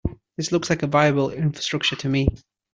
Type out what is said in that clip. This looks like a viable infrastructure to me.